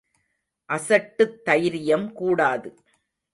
அசட்டுத் தைரியம் கூடாது.